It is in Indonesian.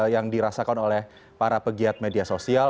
yang dirasakan oleh para pegiat media sosial